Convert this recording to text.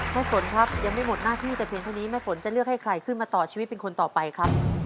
ฝนครับยังไม่หมดหน้าที่แต่เพียงเท่านี้แม่ฝนจะเลือกให้ใครขึ้นมาต่อชีวิตเป็นคนต่อไปครับ